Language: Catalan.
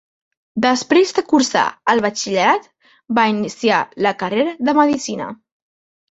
Després de cursar el batxillerat, va iniciar la carrera de Medicina.